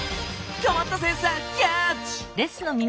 こまったセンサーキャッチ！